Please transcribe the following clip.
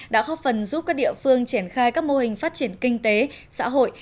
đã góp phần giúp các địa phương triển khai các mô hình phát triển kinh tế xã hội